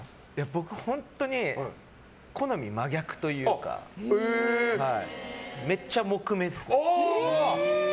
僕、本当に好み真逆というかめっちゃ木目ですね。